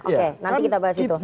oke nanti kita bahas itu